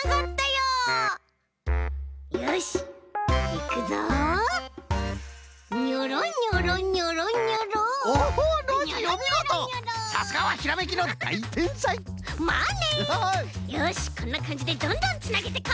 よしこんなかんじでどんどんつなげてこう！